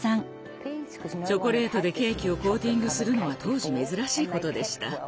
チョコレートでケーキをコーティングするのは当時珍しいことでした。